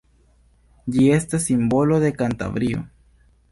Ĝi estas simbolo de Kantabrio.